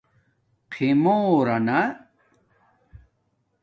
خِمورانا